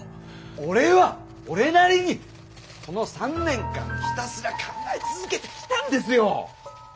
俺は俺なりにこの３年間ひたすら考え続けてきたんですよ。